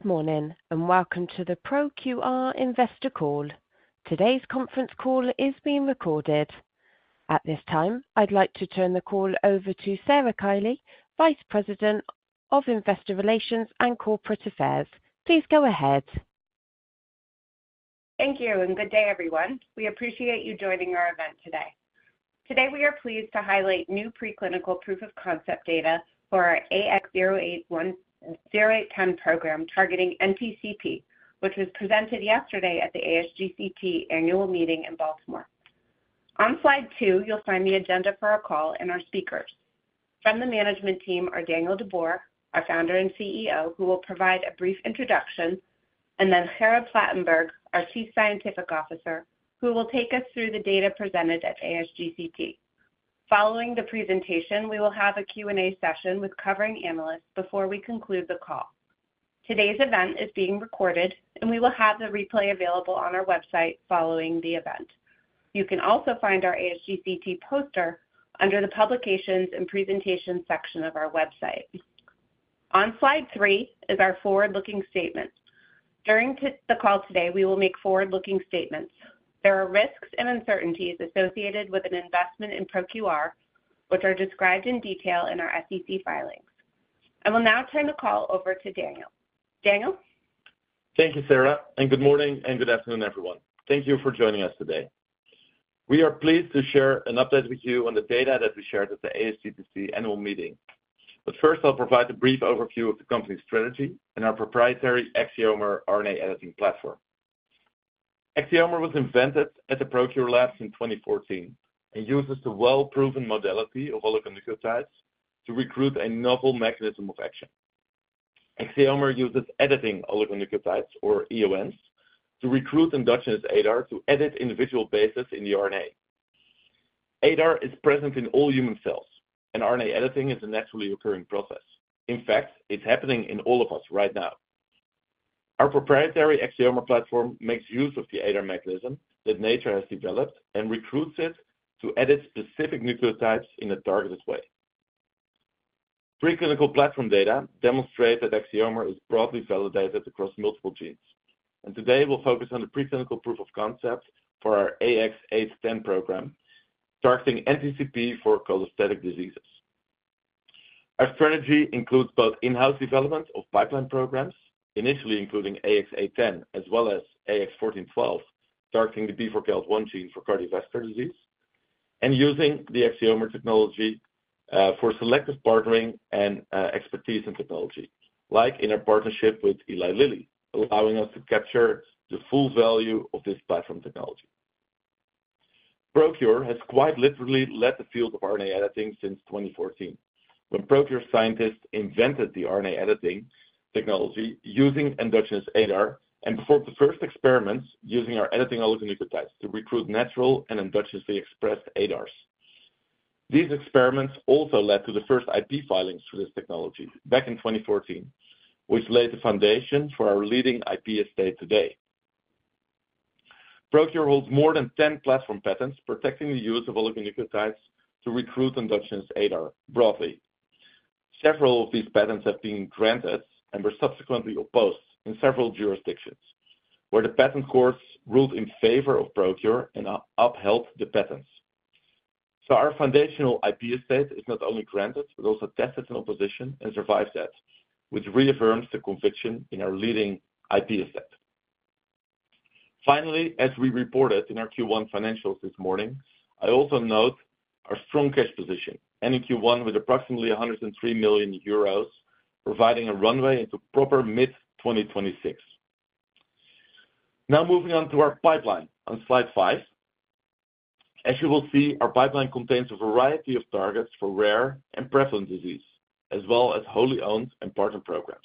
Good morning, and welcome to the ProQR Investor Call. Today's conference call is being recorded. At this time, I'd like to turn the call over to Sarah Kiely, Vice President of Investor Relations and Corporate Affairs. Please go ahead. Thank you, and good day everyone. We appreciate you joining our event today. Today we are pleased to highlight new preclinical proof-of-concept data for our AX-0810 program targeting NTCP, which was presented yesterday at the ASGCT annual meeting in Baltimore. On slide two, you'll find the agenda for our call and our speakers. From the management team are Daniel de Boer, our founder and CEO, who will provide a brief introduction, and then Gerard Platenburg, our Chief Scientific Officer, who will take us through the data presented at ASGCT. Following the presentation, we will have a Q&A session with covering analysts before we conclude the call. Today's event is being recorded, and we will have the replay available on our website following the event. You can also find our ASGCT poster under the Publications and Presentations section of our website. On slide three is our forward-looking statement. During the call today, we will make forward-looking statements. There are risks and uncertainties associated with an investment in ProQR, which are described in detail in our SEC filings. I will now turn the call over to Daniel. Daniel? Thank you, Sarah, and good morning, and good afternoon, everyone. Thank you for joining us today. We are pleased to share an update with you on the data that we shared at the ASGCT annual meeting. But first, I'll provide a brief overview of the company's strategy and our proprietary Axiomer RNA editing platform. Axiomer was invented at the ProQR Labs in 2014 and uses the well-proven modality of oligonucleotides to recruit a novel mechanism of action. Axiomer uses editing oligonucleotides, or EONs, to recruit endogenous ADAR to edit individual bases in the RNA. ADAR is present in all human cells, and RNA editing is a naturally occurring process. In fact, it's happening in all of us right now. Our proprietary Axiomer platform makes use of the ADAR mechanism that nature has developed and recruits it to edit specific nucleotides in a targeted way. Preclinical platform data demonstrate that Axiomer is broadly validated across multiple genes, and today we'll focus on the preclinical proof of concept for our AX-0810 program targeting NTCP for cholestatic diseases. Our strategy includes both in-house development of pipeline programs, initially including AX-0810 as well as AX-1412 targeting the B4GALT1 gene for cardiovascular disease, and using the Axiomer technology for selective partnering and expertise in technology, like in our partnership with Eli Lilly, allowing us to capture the full value of this platform technology. ProQR has quite literally led the field of RNA editing since 2014, when ProQR scientists invented the RNA editing technology using endogenous ADAR and performed the first experiments using our editing oligonucleotides to recruit natural and endogenously expressed ADARs. These experiments also led to the first IP filings for this technology back in 2014, which laid the foundation for our leading IP estate today. ProQR holds more than 10 platform patents protecting the use of oligonucleotides to recruit endogenous ADAR, broadly. Several of these patents have been granted and were subsequently opposed in several jurisdictions, where the patent courts ruled in favor of ProQR and upheld the patents. Our foundational IP estate is not only granted but also tested in opposition and survived that, which reaffirms the conviction in our leading IP estate. Finally, as we reported in our Q1 financials this morning, I also note our strong cash position, ending Q1 with approximately 103 million euros, providing a runway into proper mid-2026. Now moving on to our pipeline on slide five. As you will see, our pipeline contains a variety of targets for rare and prevalent disease, as well as wholly owned and partnered programs.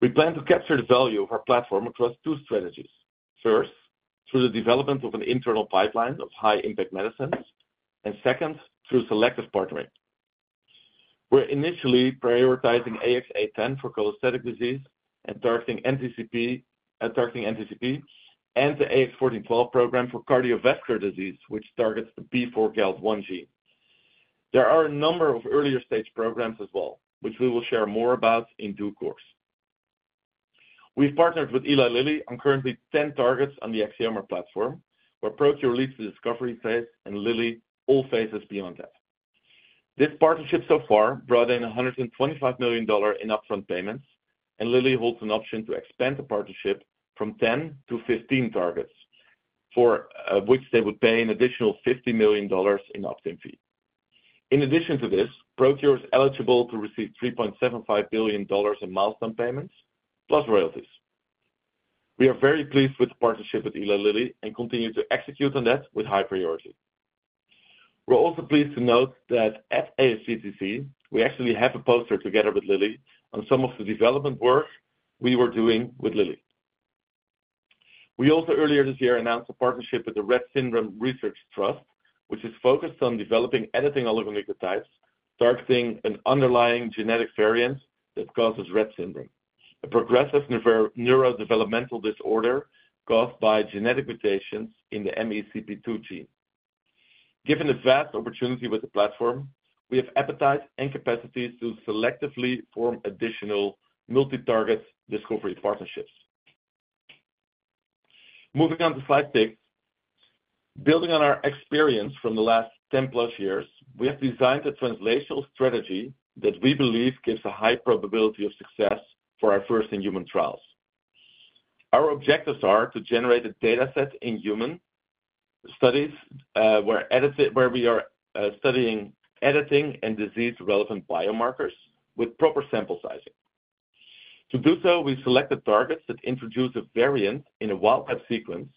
We plan to capture the value of our platform across two strategies. First, through the development of an internal pipeline of high-impact medicines, and second, through selective partnering. We're initially prioritizing AX-0810 for cholestatic disease and targeting NTCP, and the AX-1412 program for cardiovascular disease, which targets the B4GALT1 gene. There are a number of earlier-stage programs as well, which we will share more about in due course. We've partnered with Eli Lilly on currently 10 targets on the Axiomer platform, where ProQR leads the discovery phase and Lilly all phases beyond that. This partnership so far brought in $125 million in upfront payments, and Lilly holds an option to expand the partnership from 10-15 targets, for which they would pay an additional $50 million in opt-in fee. In addition to this, ProQR is eligible to receive $3.75 billion in milestone payments plus royalties. We are very pleased with the partnership with Eli Lilly and continue to execute on that with high priority. We're also pleased to note that at ASGCT, we actually have a poster together with Lilly on some of the development work we were doing with Lilly. We also, earlier this year, announced a partnership with the Rett Syndrome Research Trust, which is focused on developing editing oligonucleotides targeting an underlying genetic variant that causes Rett Syndrome, a progressive neurodevelopmental disorder caused by genetic mutations in the MECP2 gene. Given the vast opportunity with the platform, we have appetite and capacities to selectively form additional multi-target discovery partnerships. Moving on to slide six. Building on our experience from the last 10+ years, we have designed a translational strategy that we believe gives a high probability of success for our first-in-human trials. Our objectives are to generate a dataset in human studies where we are studying editing and disease-relevant biomarkers with proper sample sizing. To do so, we selected targets that introduce a variant in a wild-type sequence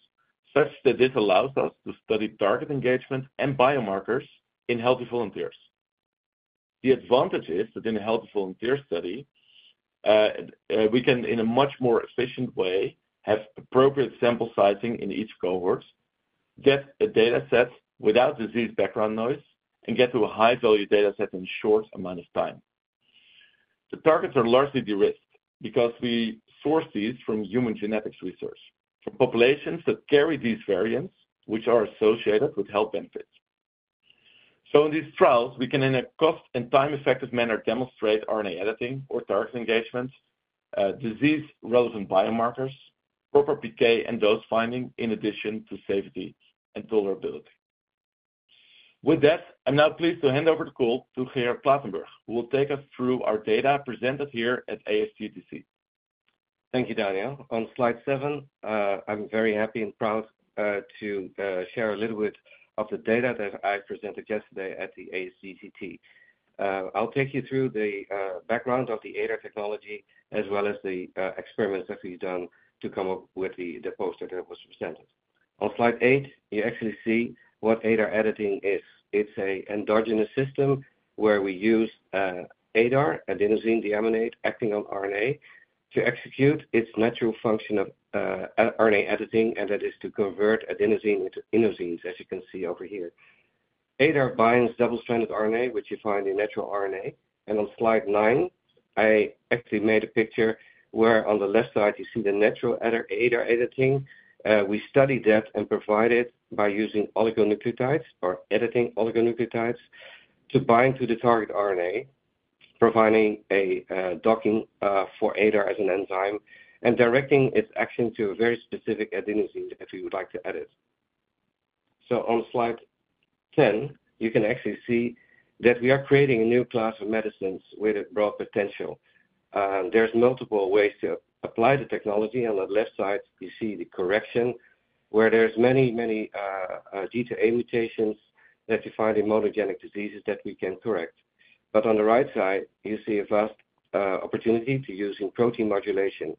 such that this allows us to study target engagement and biomarkers in healthy volunteers. The advantage is that in a healthy volunteer study, we can, in a much more efficient way, have appropriate sample sizing in each cohort, get a dataset without disease background noise, and get to a high-value dataset in a short amount of time. The targets are largely de-risked because we source these from human genetics research, from populations that carry these variants, which are associated with health benefits. In these trials, we can, in a cost-and-time-effective manner, demonstrate RNA editing or target engagement, disease-relevant biomarkers, proper PK and dose finding, in addition to safety and tolerability. With that, I'm now pleased to hand over the call to Gerard Platenburg, who will take us through our data presented here at ASGCT. Thank you, Daniel. On slide seven, I'm very happy and proud to share a little bit of the data that I presented yesterday at the ASGCT. I'll take you through the background of the ADAR technology as well as the experiments that we've done to come up with the poster that was presented. On slide eight, you actually see what ADAR editing is. It's an endogenous system where we use ADAR, adenosine deaminase acting on RNA to execute its natural function of RNA editing, and that is to convert adenosine into inosines, as you can see over here. ADAR binds double-stranded RNA, which you find in natural RNA. And on slide nine, I actually made a picture where on the left side you see the natural ADAR editing. We studied that and provided by using oligonucleotides or editing oligonucleotides to bind to the target RNA, providing a docking for ADAR as an enzyme, and directing its action to a very specific adenosine that we would like to edit. So on slide 10, you can actually see that we are creating a new class of medicines with a broad potential. There's multiple ways to apply the technology. On that left side, you see the correction, where there's many, many G2A mutations that you find in monogenic diseases that we can correct. But on the right side, you see a vast opportunity to use in protein modulation.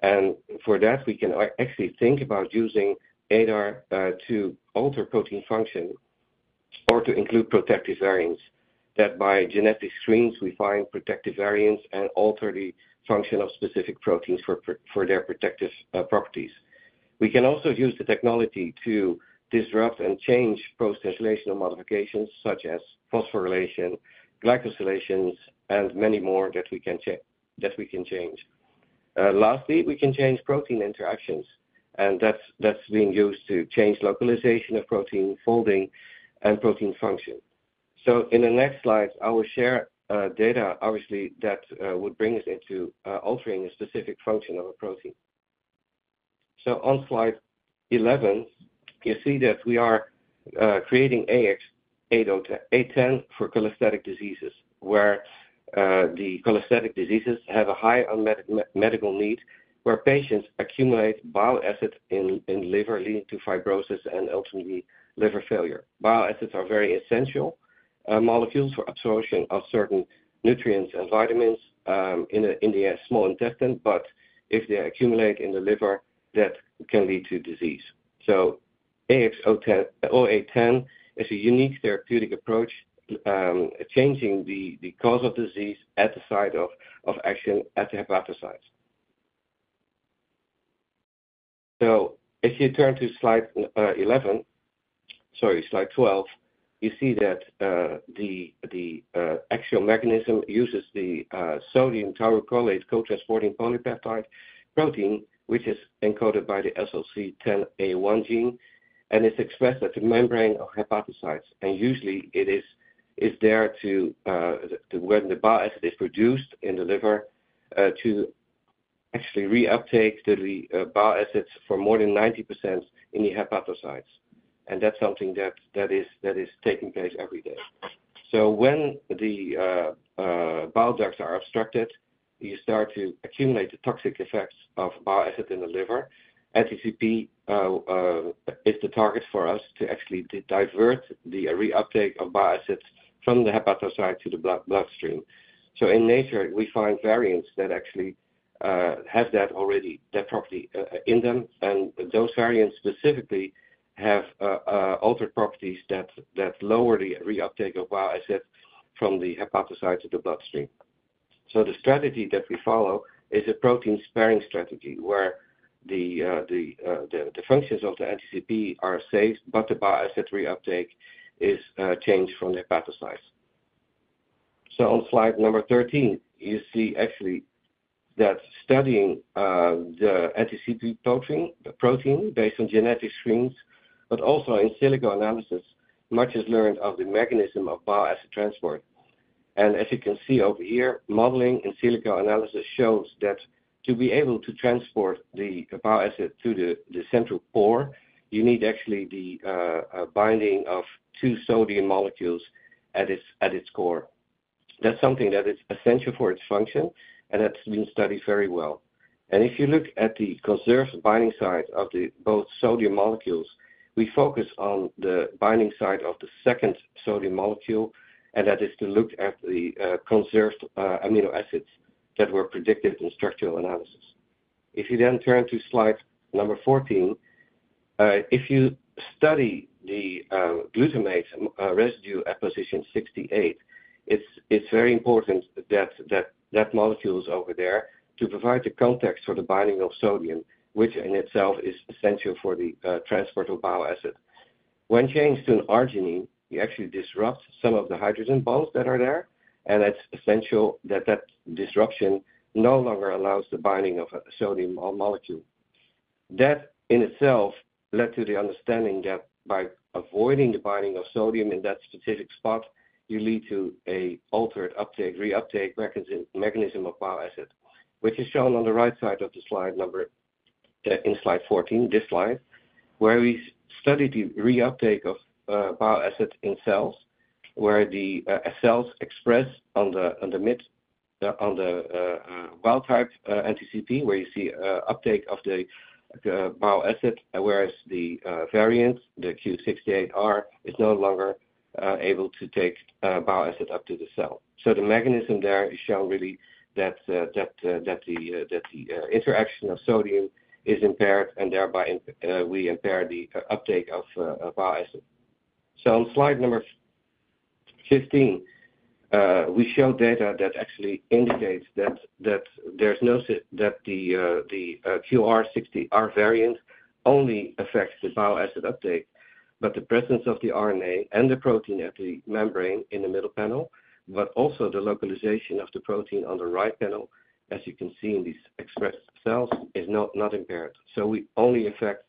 And for that, we can actually think about using ADAR to alter protein function or to include protective variants that, by genetic screens, we find protective variants and alter the function of specific proteins for their protective properties. We can also use the technology to disrupt and change post-translational modifications such as phosphorylation, glycosylations, and many more that we can change. Lastly, we can change protein interactions, and that's being used to change localization of protein, folding, and protein function. So in the next slides, I will share data, obviously, that would bring us into altering a specific function of a protein. So on slide 11, you see that we are creating AX-0810 for cholestatic diseases, where the cholestatic diseases have a high medical need, where patients accumulate bile acid in liver, leading to fibrosis and ultimately liver failure. Bile acids are very essential molecules for absorption of certain nutrients and vitamins in the small intestine, but if they accumulate in the liver, that can lead to disease. So AX-0810 is a unique therapeutic approach, changing the cause of disease at the site of action at the hepatocytes. So if you turn to slide 11 sorry, slide 12, you see that the actual mechanism uses the sodium taurocholate cotransporting polypeptide protein, which is encoded by the SLC10A1 gene, and it's expressed at the membrane of hepatocytes. And usually, it is there to when the bile acid is produced in the liver to actually reuptake the bile acids for more than 90% in the hepatocytes. And that's something that is taking place every day. So when the bile ducts are obstructed, you start to accumulate the toxic effects of bile acid in the liver. NTCP is the target for us to actually divert the reuptake of bile acids from the hepatocytes to the bloodstream. So in nature, we find variants that actually have that already, that property in them, and those variants specifically have altered properties that lower the reuptake of bile acid from the hepatocytes to the bloodstream. So the strategy that we follow is a protein-sparing strategy, where the functions of the NTCP are saved, but the bile acid reuptake is changed from the hepatocytes. So on slide 13, you see actually that studying the NTCP protein based on genetic screens, but also in silico analysis, much is learned of the mechanism of bile acid transport. And as you can see over here, modeling in silico analysis shows that to be able to transport the bile acid to the central core, you need actually the binding of two sodium molecules at its core. That's something that is essential for its function, and that's been studied very well. If you look at the conserved binding site of both sodium molecules, we focus on the binding site of the second sodium molecule, and that is to look at the conserved amino acids that were predicted in structural analysis. If you then turn to slide number 14, if you study the glutamate residue at position 68, it's very important that molecules over there to provide the context for the binding of sodium, which in itself is essential for the transport of bile acid. When changed to an arginine, you actually disrupt some of the hydrogen bonds that are there, and it's essential that that disruption no longer allows the binding of a sodium molecule. That in itself led to the understanding that by avoiding the binding of sodium in that specific spot, you lead to an altered uptake, reuptake mechanism of bile acid, which is shown on the right side of the slide number in slide 14, this slide, where we studied the reuptake of bile acid in cells, where the cells express on the mid on the wild-type NTCP, where you see uptake of the bile acid, whereas the variant, the Q68R, is no longer able to take bile acid up to the cell. So the mechanism there is shown really that the interaction of sodium is impaired, and thereby we impair the uptake of bile acid. So on slide number 15, we show data that actually indicates that there's no, that the Q68R variant only affects the bile acid uptake, but the presence of the RNA and the protein at the membrane in the middle panel, but also the localization of the protein on the right panel, as you can see in these expressed cells, is not impaired. So we only affect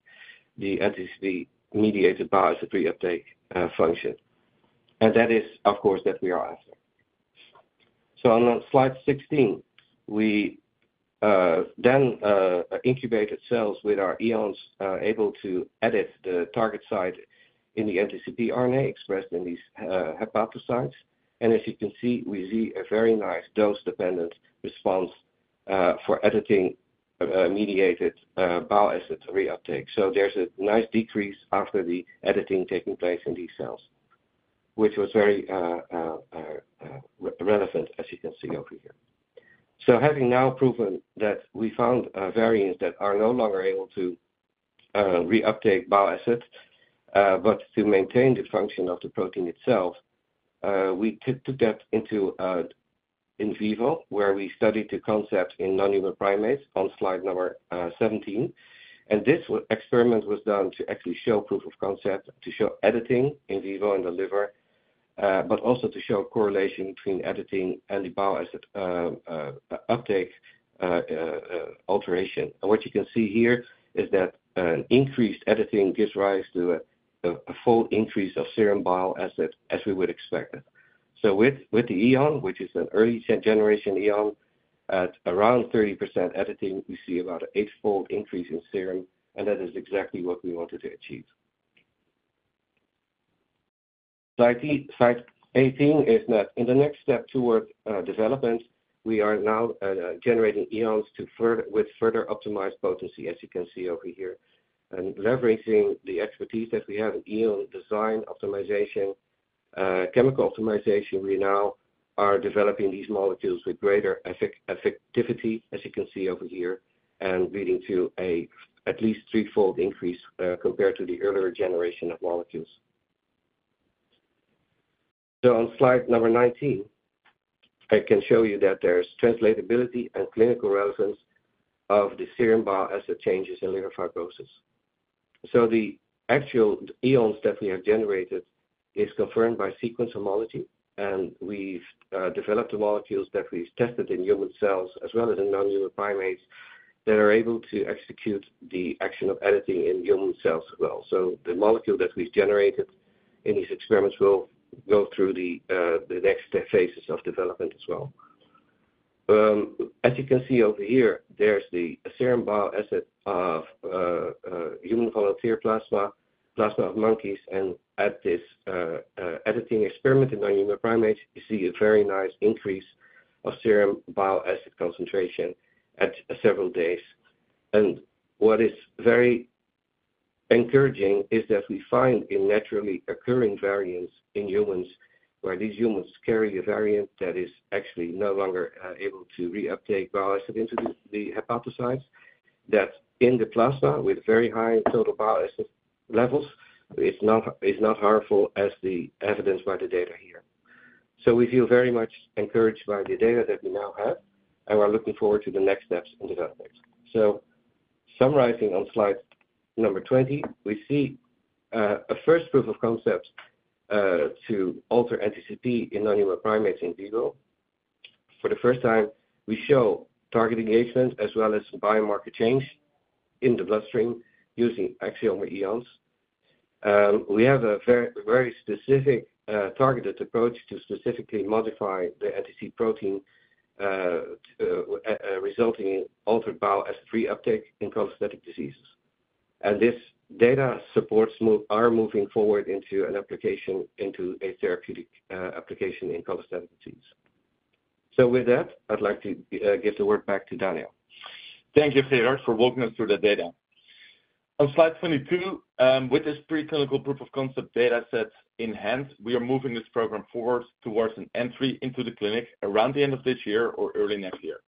the NTCP-mediated bile acid reuptake function. And that is, of course, that we are after. So on slide 16, we then incubated cells with our EONs able to edit the target site in the NTCP RNA expressed in these hepatocytes. And as you can see, we see a very nice dose-dependent response for editing-mediated bile acid reuptake. So there's a nice decrease after the editing taking place in these cells, which was very relevant, as you can see over here. So having now proven that we found variants that are no longer able to reuptake bile acid, but to maintain the function of the protein itself, we took that into in vivo, where we studied the concept in non-human primates on slide number 17. This experiment was done to actually show proof of concept, to show editing in vivo in the liver, but also to show correlation between editing and the bile acid uptake alteration. What you can see here is that an increased editing gives rise to a full increase of serum bile acid as we would expect it. With the EON, which is an early-generation EON, at around 30% editing, we see about an eightfold increase in serum, and that is exactly what we wanted to achieve. Slide 18 is that in the next step toward development, we are now generating EONs with further optimized potency, as you can see over here, and leveraging the expertise that we have in EON design optimization, chemical optimization. We now are developing these molecules with greater effectivity, as you can see over here, and leading to at least threefold increase compared to the earlier generation of molecules. So on slide number 19, I can show you that there's translatability and clinical relevance of the serum bile acid changes in liver fibrosis. So the actual EONs that we have generated is confirmed by sequence homology, and we've developed the molecules that we've tested in human cells as well as in non-human primates that are able to execute the action of editing in human cells as well. So the molecule that we've generated in these experiments will go through the next phases of development as well. As you can see over here, there's the serum bile acid of human volunteer plasma, plasma of monkeys. And at this editing experiment in non-human primates, you see a very nice increase of serum bile acid concentration at several days. And what is very encouraging is that we find in naturally occurring variants in humans, where these humans carry a variant that is actually no longer able to reuptake bile acid into the hepatocytes, that in the plasma with very high total bile acid levels, it's not harmful as evidenced by the data here. So we feel very much encouraged by the data that we now have and are looking forward to the next steps in development. So summarizing on slide number 20, we see a first proof of concept to alter NTCP in non-human primates in vivo. For the first time, we show target engagement as well as biomarker change in the bloodstream using Axiomer EONs. We have a very specific targeted approach to specifically modify the NTCP protein, resulting in altered bile acid reuptake in cholestatic diseases. And this data supports our moving forward into a therapeutic application in cholestatic disease. So with that, I'd like to give the word back to Daniel. Thank you, Gerard, for walking us through the data. On slide 22, with this preclinical proof of concept dataset in hand, we are moving this program forward towards an entry into the clinic around the end of this year or early next year.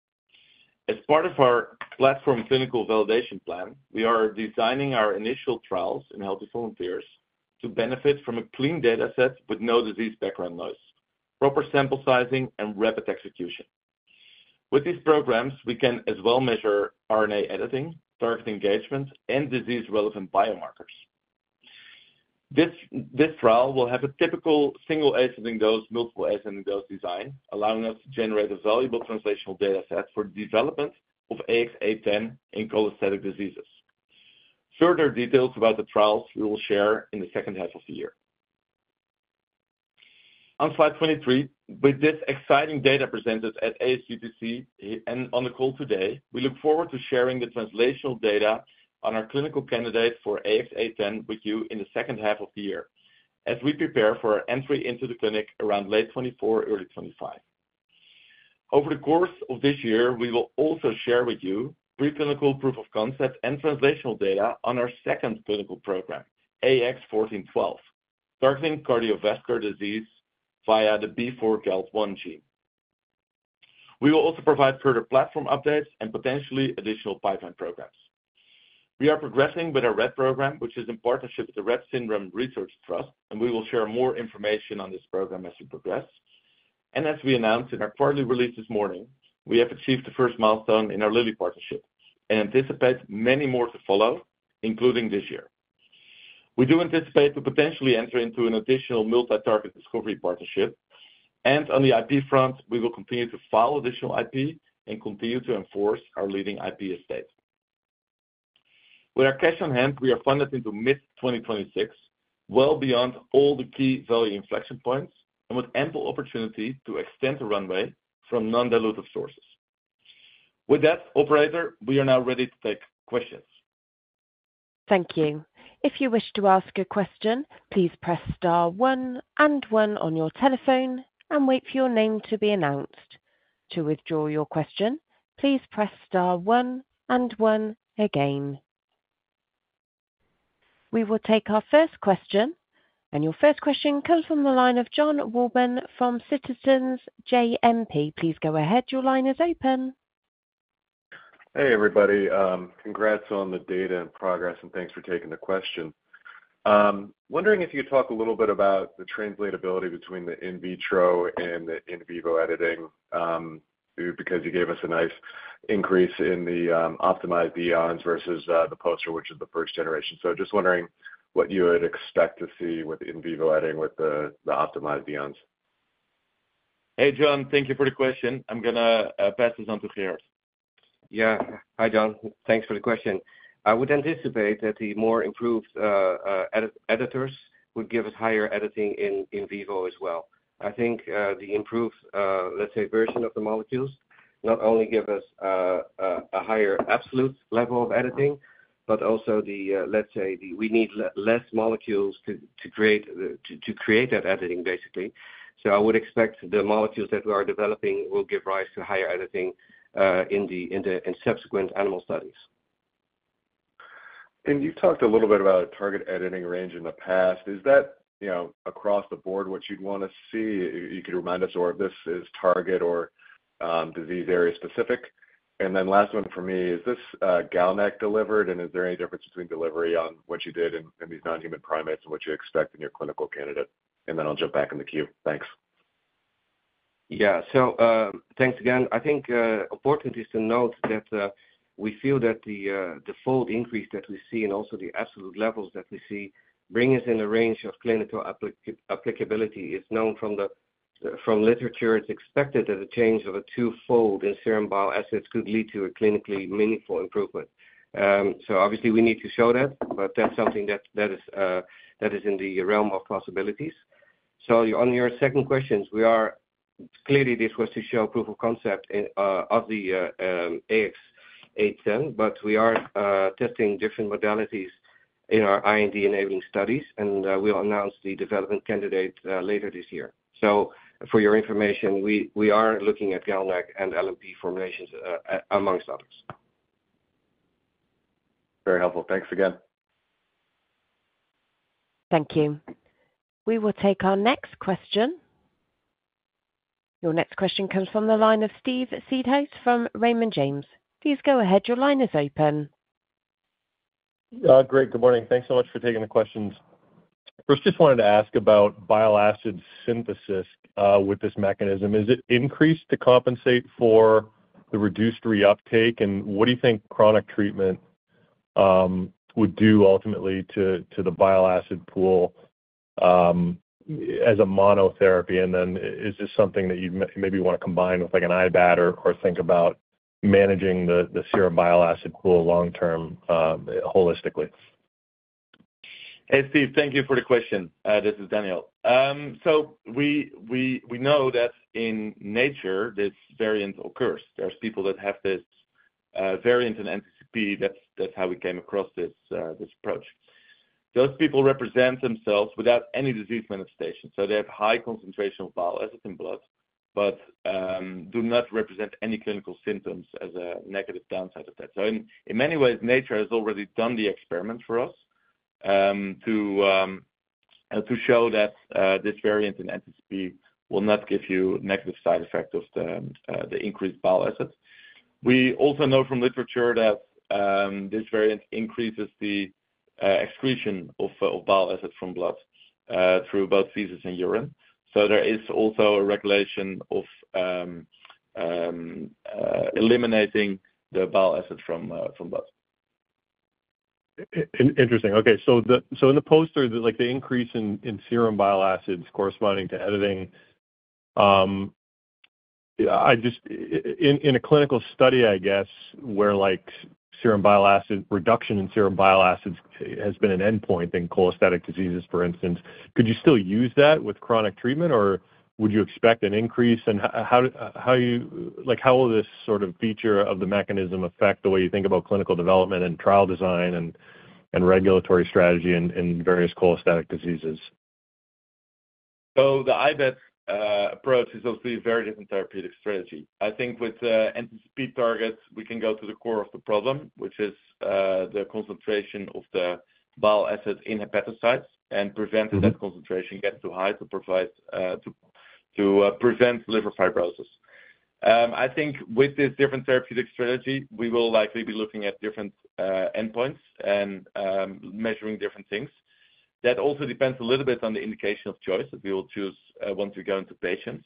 As part of our platform clinical validation plan, we are designing our initial trials in healthy volunteers to benefit from a clean dataset with no disease background noise, proper sample sizing, and rapid execution. With these programs, we can as well measure RNA editing, target engagement, and disease-relevant biomarkers. This trial will have a typical single ascending dose, multiple ascending dose design, allowing us to generate a valuable translational dataset for the development of AX-0810 in cholestatic diseases. Further details about the trials we will share in the second half of the year. On slide 23, with this exciting data presented at ASGCT and on the call today, we look forward to sharing the translational data on our clinical candidate for AX-0810 with you in the second half of the year as we prepare for our entry into the clinic around late 2024, early 2025. Over the course of this year, we will also share with you preclinical proof of concept and translational data on our second clinical program, AX-1412, targeting cardiovascular disease via the B4GALT1 gene. We will also provide further platform updates and potentially additional pipeline programs. We are progressing with our Rett program, which is in partnership with the Rett Syndrome Research Trust, and we will share more information on this program as we progress. As we announced in our quarterly release this morning, we have achieved the first milestone in our Lilly partnership and anticipate many more to follow, including this year. We do anticipate to potentially enter into an additional multi-target discovery partnership. On the IP front, we will continue to file additional IP and continue to enforce our leading IP estate. With our cash on hand, we are funded into mid-2026, well beyond all the key value inflection points, and with ample opportunity to extend the runway from non-dilutive sources. With that, Operator, we are now ready to take questions. Thank you. If you wish to ask a question, please press star one and one on your telephone and wait for your name to be announced. To withdraw your question, please press star one and one again. We will take our first question, and your first question comes from the line of Jon Wolleben from Citizens JMP. Please go ahead. Your line is open. Hey, everybody. Congrats on the data and progress, and thanks for taking the question. Wondering if you could talk a little bit about the translatability between the in vitro and the in vivo editing because you gave us a nice increase in the optimized EONs versus the poster, which is the first generation. So just wondering what you would expect to see with in vivo editing with the optimized EONs. Hey, Jon. Thank you for the question. I'm going to pass this on to Gerard. Yeah. Hi, Jon. Thanks for the question. I would anticipate that the more improved editors would give us higher editing in vivo as well. I think the improved, let's say, version of the molecules not only give us a higher absolute level of editing, but also the, let's say, we need less molecules to create that editing, basically. So I would expect the molecules that we are developing will give rise to higher editing in the subsequent animal studies. You've talked a little bit about a target editing range in the past. Is that across the board what you'd want to see? You could remind us or if this is target or disease area-specific. And then last one for me, is this GalNAc delivered, and is there any difference between delivery on what you did in these non-human primates and what you expect in your clinical candidate? And then I'll jump back in the queue. Thanks. Yeah. So thanks again. I think important is to note that we feel that the full increase that we see and also the absolute levels that we see bring us in a range of clinical applicability is known from literature. It's expected that a change of a twofold in serum bile acids could lead to a clinically meaningful improvement. So obviously, we need to show that, but that's something that is in the realm of possibilities. So on your second questions, clearly, this was to show proof of concept of the AX-0810, but we are testing different modalities in our IND-enabling studies, and we'll announce the development candidate later this year. So for your information, we are looking at GalNAc and LNP formulations, amongst others. Very helpful. Thanks again. Thank you. We will take our next question. Your next question comes from the line of Steve Seedhouse from Raymond James. Please go ahead. Your line is open. Great. Good morning. Thanks so much for taking the questions. First, just wanted to ask about bile acid synthesis with this mechanism. Is it increased to compensate for the reduced reuptake, and what do you think chronic treatment would do ultimately to the bile acid pool as a monotherapy? And then is this something that you maybe want to combine with an IBAT or think about managing the serum bile acid pool long-term, holistically? Hey, Steve. Thank you for the question. This is Daniel. So we know that in nature, this variant occurs. There's people that have this variant in NTCP. That's how we came across this approach. Those people represent themselves without any disease manifestations. So they have high concentration of bile acid in blood but do not represent any clinical symptoms as a negative downside of that. So in many ways, nature has already done the experiment for us to show that this variant in NTCP will not give you negative side effects of the increased bile acid. We also know from literature that this variant increases the excretion of bile acid from blood through both feces and urine. So there is also a regulation of eliminating the bile acid from blood. Interesting. Okay. So in the poster, the increase in serum bile acids corresponding to editing, in a clinical study, I guess, where reduction in serum bile acids has been an endpoint in cholestatic diseases, for instance, could you still use that with chronic treatment, or would you expect an increase? And how will this sort of feature of the mechanism affect the way you think about clinical development and trial design and regulatory strategy in various cholestatic diseases? So the IBAT approach is obviously a very different therapeutic strategy. I think with NTCP targets, we can go to the core of the problem, which is the concentration of the bile acid in hepatocytes and prevent that concentration getting too high to prevent liver fibrosis. I think with this different therapeutic strategy, we will likely be looking at different endpoints and measuring different things. That also depends a little bit on the indication of choice that we will choose once we go into patients.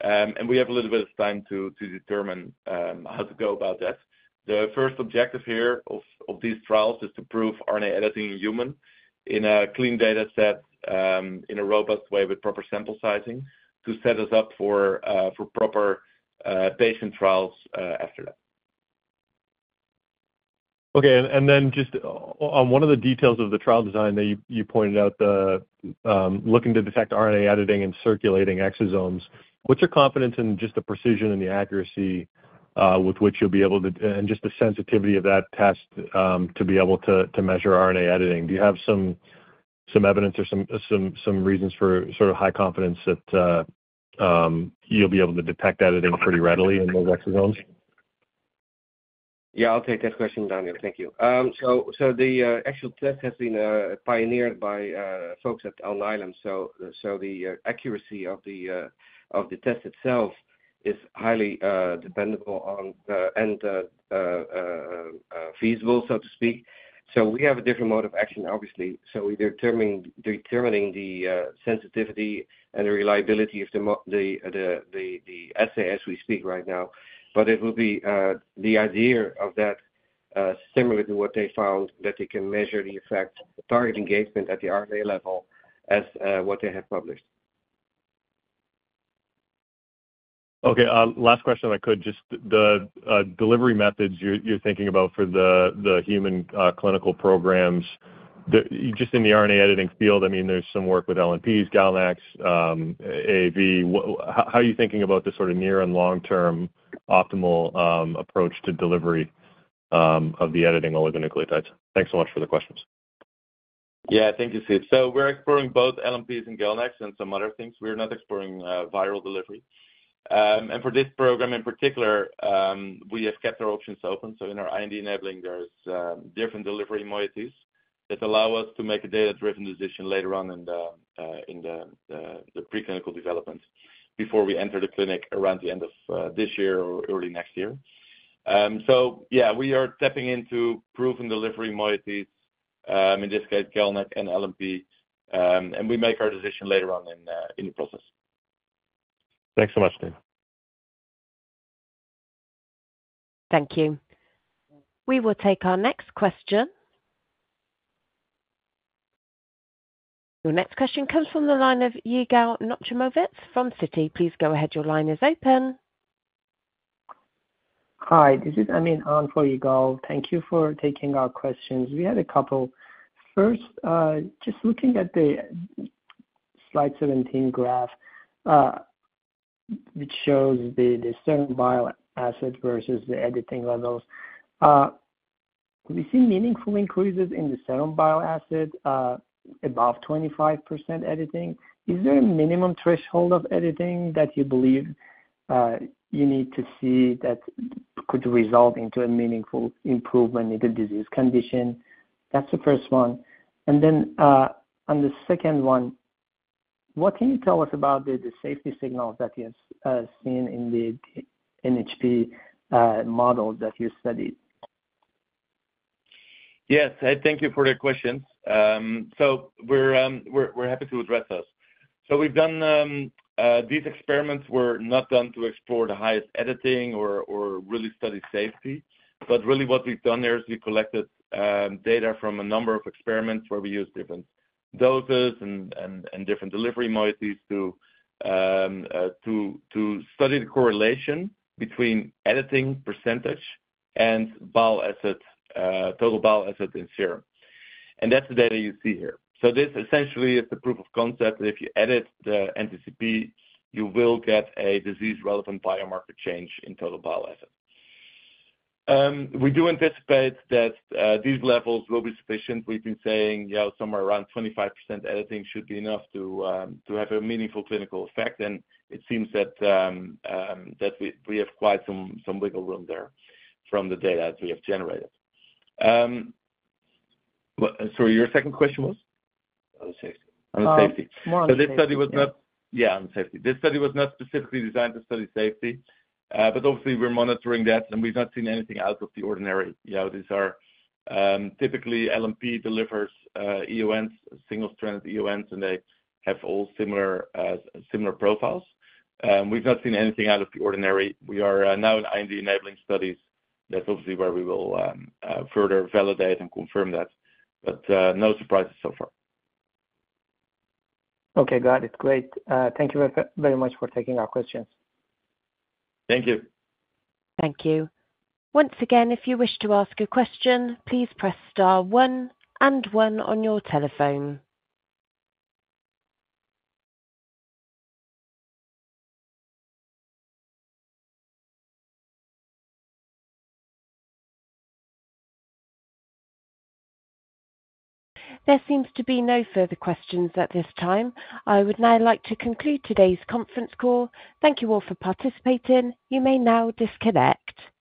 And we have a little bit of time to determine how to go about that. The first objective here of these trials is to prove RNA editing in human in a clean dataset in a robust way with proper sample sizing to set us up for proper patient trials after that. Okay. And then just on one of the details of the trial design that you pointed out, looking to detect RNA editing in circulating exosomes, what's your confidence in just the precision and the accuracy with which you'll be able to and just the sensitivity of that test to be able to measure RNA editing? Do you have some evidence or some reasons for sort of high confidence that you'll be able to detect editing pretty readily in those exosomes? Yeah. I'll take that question, Daniel. Thank you. So the actual test has been pioneered by folks at Alnylam. So the accuracy of the test itself is highly dependable and feasible, so to speak. So we have a different mode of action, obviously. So we're determining the sensitivity and the reliability of the assay as we speak right now. But it will be the idea of that, similar to what they found, that they can measure the effect target engagement at the RNA level as what they have published. Okay. Last question if I could. Just the delivery methods you're thinking about for the human clinical programs, just in the RNA editing field, I mean, there's some work with LNPs, GalNAcs, AAV. How are you thinking about the sort of near and long-term optimal approach to delivery of the editing oligonucleotides? Thanks so much for the questions. Yeah. Thank you, Steve. So we're exploring both LNPs and GalNAcs and some other things. We're not exploring viral delivery. And for this program in particular, we have kept our options open. So in our IND-enabling, there's different delivery moieties that allow us to make a data-driven decision later on in the preclinical development before we enter the clinic around the end of this year or early next year. So yeah, we are tapping into proof and delivery moieties, in this case, GalNAc and LNP. And we make our decision later on in the process. Thanks so much, Steve. Thank you. We will take our next question. Your next question comes from the line of Yigal Nochomovitz from Citi. Please go ahead. Your line is open. Hi. This is Amin on for Yigal. Thank you for taking our questions. We had a couple. First, just looking at the slide 17 graph, which shows the serum bile acid versus the editing levels, we see meaningful increases in the serum bile acid above 25% editing. Is there a minimum threshold of editing that you believe you need to see that could result into a meaningful improvement in the disease condition? That's the first one. And then on the second one, what can you tell us about the safety signals that you have seen in the NHP models that you studied? Yes. Thank you for the questions. So we're happy to address those. So these experiments were not done to explore the highest editing or really study safety. But really, what we've done here is we collected data from a number of experiments where we used different doses and different delivery moieties to study the correlation between editing percentage and total bile acid in serum. And that's the data you see here. So this essentially is the proof of concept. If you edit the NTCP, you will get a disease-relevant biomarker change in total bile acid. We do anticipate that these levels will be sufficient. We've been saying somewhere around 25% editing should be enough to have a meaningful clinical effect. And it seems that we have quite some wiggle room there from the data that we have generated. Sorry. Your second question was? On safety. So this study was not on safety. This study was not specifically designed to study safety. But obviously, we're monitoring that, and we've not seen anything out of the ordinary. Typically, LNP delivers single-stranded EONs, and they have all similar profiles. We've not seen anything out of the ordinary. We are now in IND-enabling studies. That's obviously where we will further validate and confirm that. But no surprises so far. Okay. Got it. Great. Thank you very much for taking our questions. Thank you. Thank you. Once again, if you wish to ask a question, please press star one and one on your telephone. There seems to be no further questions at this time. I would now like to conclude today's conference call. Thank you all for participating. You may now disconnect.